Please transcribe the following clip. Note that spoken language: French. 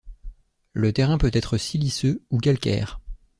Le terrain peut-être siliceux ou calcaire.